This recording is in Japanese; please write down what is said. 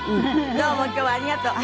どうも今日はありがとう。